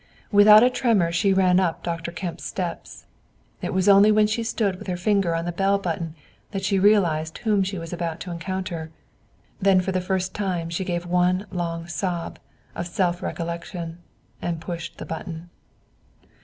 Without a tremor she ran up Dr. Kemp's steps. It was only when she stood with her finger on the bell button that she realized whom she was about to encounter. Then for the first time she gave one long sob of self recollection, and pushed the button.